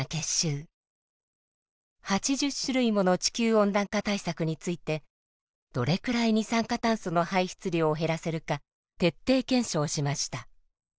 ８０種類もの地球温暖化対策についてどれくらい二酸化炭素の排出量を減らせるか徹底検証しました。